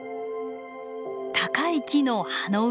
高い木の葉の上。